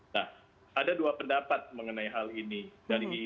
nah ada dua pendapat mengenai hal ini